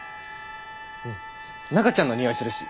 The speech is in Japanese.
うん中ちゃんのにおいするし。